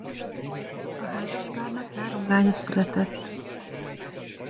A házaspárnak három lánya született.